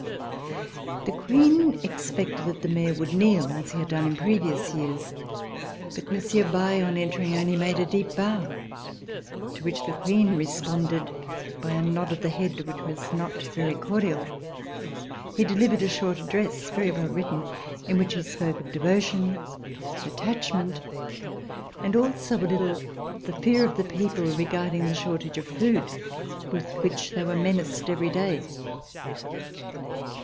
The Queen expected that the Mayor would kneel as he had done in previous years, but Monsieur Bailly, on entering, only made a deep bow, to which the Queen responded by a nod of the head which was not very cordial. He delivered a short address, very well written, in which he spoke of devotion, of attach RECOLLECTIONS OF THE REVOLUTION ment and also a little of the fear of the people re garding the shortage of food, with which they were menaced every day.